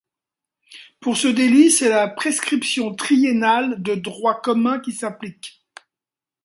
Pour ce délit c’est la prescription triennale de droit commun qui s’applique.